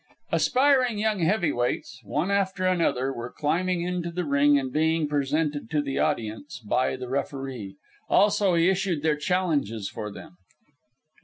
Aspiring young heavyweights, one after another, were climbing into the ring and being presented to the audience by the referee. Also, he issued their challenges for them.